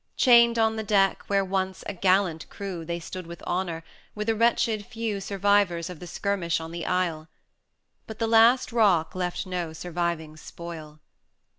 Chained on the deck, where once, a gallant crew, They stood with honour, were the wretched few 360 Survivors of the skirmish on the isle; But the last rock left no surviving spoil.